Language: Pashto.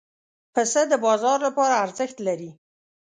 پسه د بازار لپاره ارزښت لري.